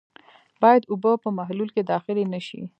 باید اوبه په محلول کې داخلې نه شي.